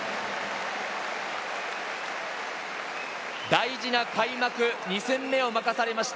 大事な開幕２戦目を任されました。